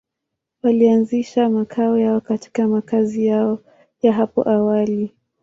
Walianzisha makao yao katika makazi yao ya hapo awali.